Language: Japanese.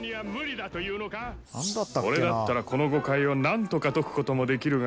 「俺だったらこの誤解を何とか解くこともできるが」